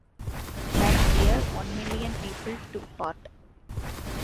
That year one million people took part.